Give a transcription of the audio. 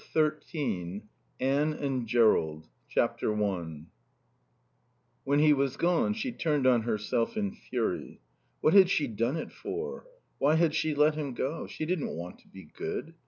XIII ANNE AND JERROLD i When he was gone she turned on herself in fury. What had she done it for? Why had she let him go? She didn't want to be good.